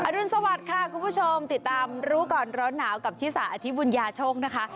รุนสวัสดิ์ค่ะคุณผู้ชมติดตามรู้ก่อนร้อนหนาวกับชิสาอธิบุญญาโชคนะคะ